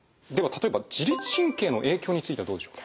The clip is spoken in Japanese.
例えば自律神経の影響についてはどうでしょう？